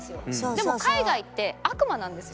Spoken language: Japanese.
でも海外って悪魔なんですよ。